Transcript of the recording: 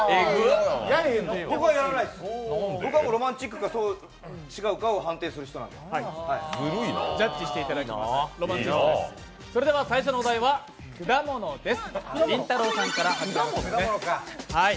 僕はロマンチックか違うかを判定する人なんでジャッジしていただきます、ロマンチストです、最初のお題は果物です。